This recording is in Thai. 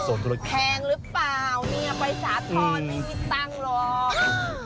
ส่วนแพงหรือเปล่าเนี่ยไปสาธรณ์ไม่มีตังค์หรอก